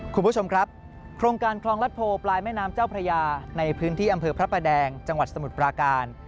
คุณผู้ชมครับโครงการคลองรัฐโพปลายแม่น้ำเจ้าพระยาในพื้นที่อำเภอพระประแดงจังหวัดสมุทรปราการ